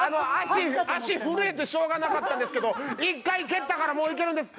足震えてしようがなかったんですけど、１回蹴ったからもういけるんです。